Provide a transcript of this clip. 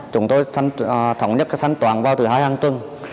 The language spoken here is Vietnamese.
chúng tôi thống nhất sẵn toàn vào thứ hai hàng chứng